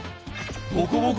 ボコボコ